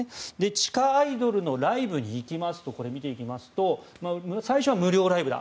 地下アイドルのライブに行きますとこれ、見ていきますと最初は無料ライブだ